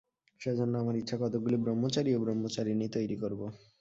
সেজন্য আমার ইচ্ছা, কতকগুলি ব্রহ্মচারী ও ব্রহ্মচারিণী তৈরী করব।